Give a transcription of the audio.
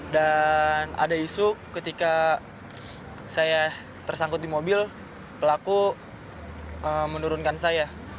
dan ada isu ketika saya tersangkut di mobil pelaku menurunkan saya